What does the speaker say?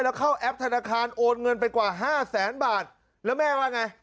แล้วเข้าแอปธนาคารโอนเงินไปกว่าห้าแสนบาทแล้วแม่ว่าไง